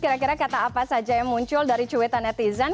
kira kira kata apa saja yang muncul dari cuitan netizen